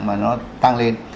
mà nó tăng lên